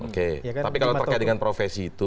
oke tapi kalau terkait dengan profesi itu